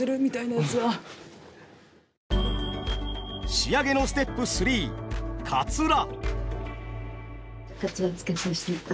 仕上げのステップ３かつら。